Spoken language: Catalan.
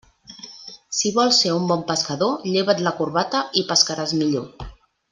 Si vols ser un bon pescador, lleva't la corbata i pescaràs millor.